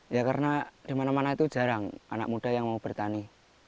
ya karena di mana mana itu jarang anak muda yang mau bertani